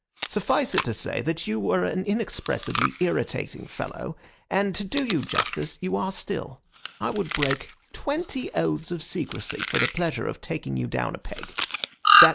Suffice it to say that you were an inexpressibly irritating fellow, and, to do you justice, you are still. I would break twenty oaths of secrecy for the pleasure of taking you down a peg.